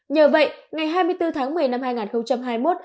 nhờ vậy ngày hai mươi bốn tháng một mươi năm hai nghìn hai mươi một